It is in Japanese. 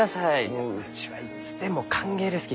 もううちはいつでも歓迎ですき。